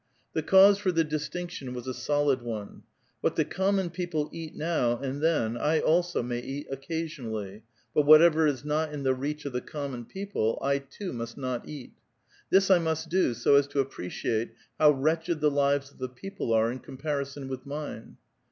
The cause for the distiuc bion was a solid one :*^ What the common people eat now 3i,nd then, I, also, may eat occasionally ; but whatever is not in the reach of the common people, I^ too, must not eat. Fhis I must do, so as to appreciate how wretched the lives rf the people are in comparison with mine."